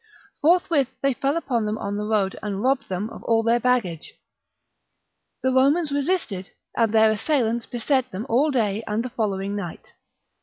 Forthwith they fell upon them on the road and robbed them VII OF VERCINGETORIX 239 of all their baggage. The Romans resisted, and 52 b.c. their assailants beset them all day and the follow ing night.